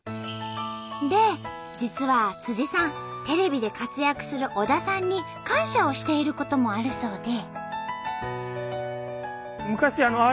で実はさんテレビで活躍する小田さんに感謝をしていることもあるそうで。